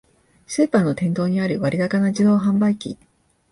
スーパーの店頭にある割高な自動販売機